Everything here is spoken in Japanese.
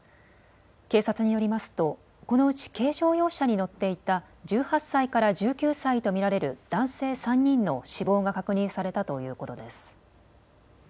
警察によりますとこのうち軽乗用車に乗っていた１８歳から１９歳と見られる男性３人の死亡が確認されたということです。